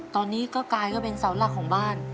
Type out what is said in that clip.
ตอนนี้ก็กลายก็เป็นเสาหลักของบ้าน